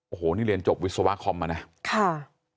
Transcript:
โอ้โหนี่เรียนจบวิศวคอมมานะค่ะ